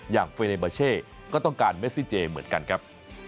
อย่างเฟเนเบอร์เช่ก็ต้องการเมสซีเจเหมือนกันครับ